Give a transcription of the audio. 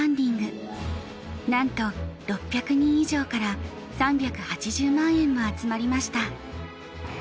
なんと６００人以上から３８０万円も集まりました。